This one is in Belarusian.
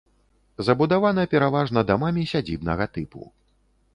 Забудавана пераважна дамамі сядзібнага тыпу.